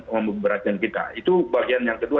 memberatkan kita itu bagian yang kedua